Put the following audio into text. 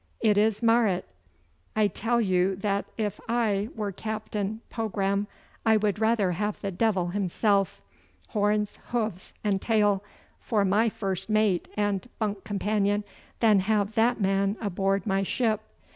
It is Marot! I tell you that if I were Captain Pogram I would rather have the devil himself, horns, hoofs, and tail, for my first mate and bunk companion, than have that man aboard my ship.